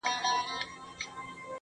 زه سم پء اور کړېږم ستا په محبت شېرينې.